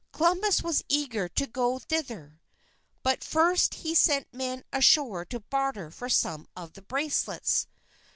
Columbus was eager to go thither. But first he sent men ashore to barter for some of the bracelets.